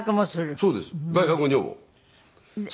そうです。